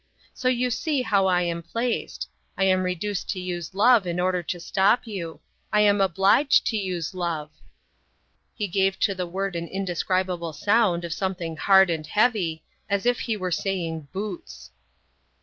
So you see how I am placed. I am reduced to use Love in order to stop you. I am obliged to use Love." He gave to the word an indescribable sound of something hard and heavy, as if he were saying "boots".